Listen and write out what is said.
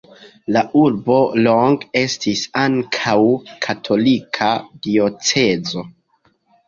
La urbo longe estis ankaŭ katolika diocezo.